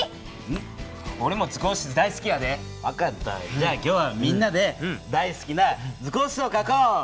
じゃあ今日はみんなで大好きな図工室をかこう！